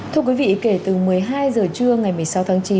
thưa quý vị kể từ một mươi hai h trưa ngày một mươi sáu tháng chín